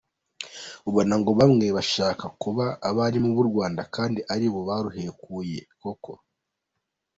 Ubona ngo bamwe bashake kuba abarimu b’u Rwanda kandi aribo baruhekuye koko ?